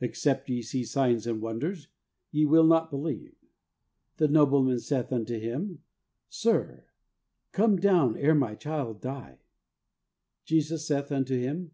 Except ye see signs and wonders, ye will not believe. The nobleman saith unto HOW TO GET HOLINESS 25 Him, Sir, come down ere my child die. Jesus saith unto him.